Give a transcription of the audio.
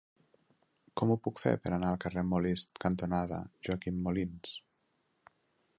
Com ho puc fer per anar al carrer Molist cantonada Joaquim Molins?